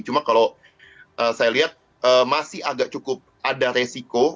cuma kalau saya lihat masih agak cukup ada resiko